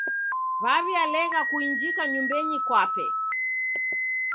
Waw'ialegha kuinjika nyumbenyi kwape.